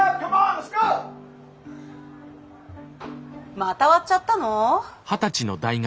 また割っちゃったの？